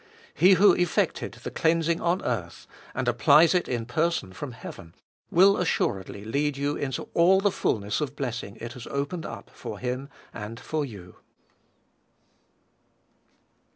He who effected the cleansing on earth, and applies it in person from heaven, will assuredly lead you into all the fulness of blessing it has opened up for Him and for you.